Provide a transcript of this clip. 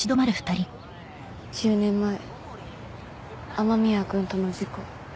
１０年前雨宮君との事故